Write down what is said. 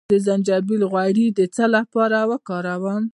د زنجبیل غوړي د څه لپاره وکاروم؟